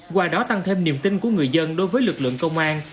qua đó tăng thêm niềm tin của người dân đối với lực lượng công an